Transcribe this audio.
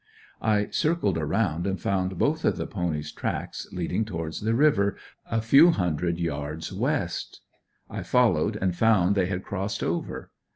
I circled around and found both of the ponies tracks leading towards the river, a few hundred yards west, I followed, and found they had crossed over.